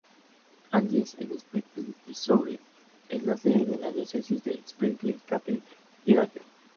Agnes en Springfield, Missouri, es la sede de la Diócesis de Springfield-Cape Girardeau.